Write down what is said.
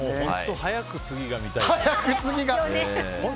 早く次が見たいですね。